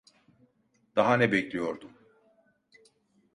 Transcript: Daha ne bekliyordum?